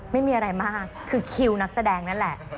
ไม่มีอะไรมากคือคิวนักแสดงนั่นแหละ